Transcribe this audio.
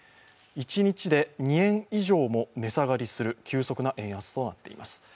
一日で２円以上も値下がりする急速な円安となっています。